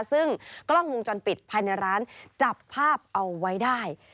ซึ่งกล้องวงจรปิดภายในร้านจับภาพเอาไว้ได้